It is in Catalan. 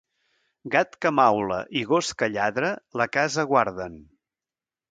Gat que maula i gos que lladra la casa guarden.